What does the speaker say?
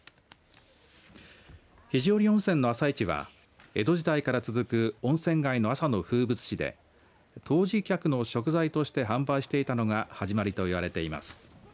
肘折温泉の朝市は江戸時代から続く温泉街の朝の風物詩で湯治客の食材として販売していたのが始まりといわれています。